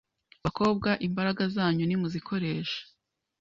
Bakobwa, imbaraga zanyu nimuzikoreshe